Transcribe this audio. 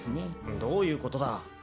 どういうことだ？